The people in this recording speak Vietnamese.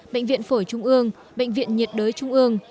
bệnh viện phổi trung ương bệnh viện nhiệt đới trung ương